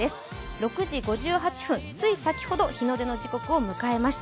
６時５８分つい先ほど、日の出の時刻を迎えました。